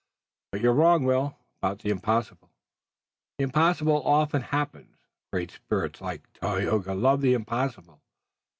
But you're wrong, Will, about the impossible. The impossible often happens. Great spirits like Tayoga love the impossible.